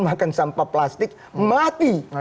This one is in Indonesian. makan sampah plastik mati